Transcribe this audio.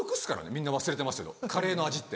みんな忘れてますけどカレーの味って。